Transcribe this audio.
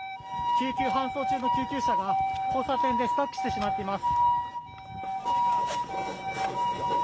救急搬送中の救急車が交差点でスタックしてしまっています。